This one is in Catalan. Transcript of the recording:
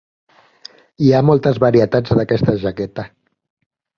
Hi ha moltes varietats d'aquesta jaqueta.